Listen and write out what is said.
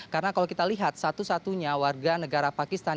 karena kalau kita lihat satu satunya warga negara pakistan